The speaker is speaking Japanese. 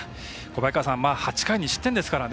小早川さん、８回２失点ですから。